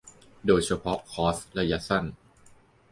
โดยเฉพาะคอร์สระยะสั้น